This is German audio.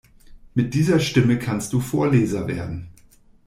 Mit dieser Stimme kannst du Vorleser werden.